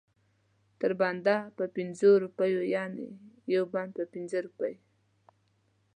تر بنده په پنځو روپو یعنې یو بند په پنځه روپۍ.